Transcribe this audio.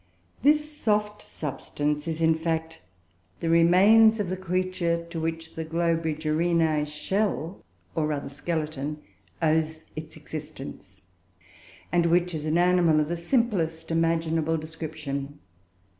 This soft substance is, in fact, the remains of the creature to which the Globigerinoe shell, or rather skeleton, owes its existence and which is an animal of the simplest imaginable description.